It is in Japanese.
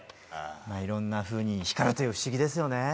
いろんなふうに光るという不思議ですよね！